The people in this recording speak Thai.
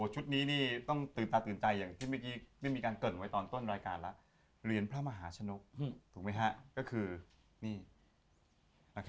ชุดนี้ต้องตื่นตาตื่นใจอย่างที่ไม่มีการเกิดไว้ตอนลายการก็คือเหรียญพระมหาชนุก